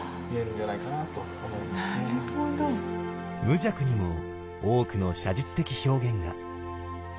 無著にも多くの写実的表現が。